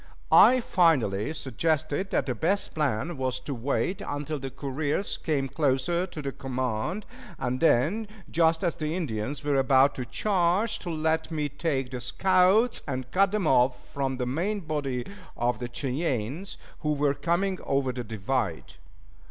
I finally suggested that the best plan was to wait until the couriers came closer to the command, and then, just as the Indians were about to charge, to let me take the scouts and cut them off from the main body of the Cheyennes who were coming over the divide.